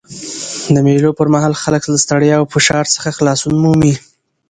د مېلو پر مهال خلک له ستړیا او فشار څخه خلاصون مومي.